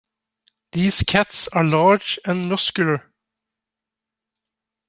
These cats are large and muscular.